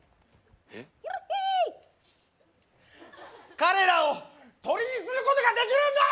彼らを鳥にすることができるんです！